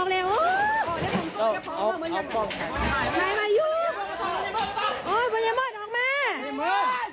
บัญญาโมนออกมา